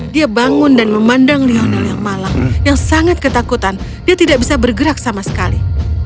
dia bangun dan memandang lionel yang malang yang sangat ketakutan dia tidak bisa bergerak sama sekali